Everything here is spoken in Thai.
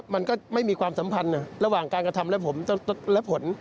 มันก็ไม่มีความสัมพันธ์ระหว่างการกระทำและผลและผล